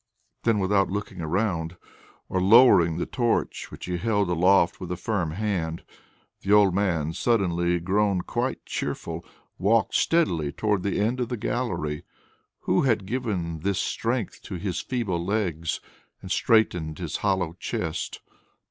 Then without looking round, or lowering the torch which he held aloft with a firm hand, the old man, suddenly grown quite cheerful, walked steadily towards the end of the gallery. Who had given this strength to his feeble legs, and straightened his hollow chest?